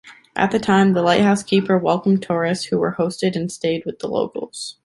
At that time, the lighthouse keeper welcomed tourists, who were hosted and stayed with the locals.